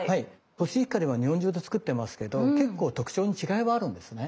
コシヒカリは日本中で作ってますけど結構特徴に違いはあるんですね。